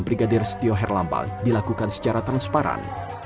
brigadir setio herlambang dilakukan secara transparan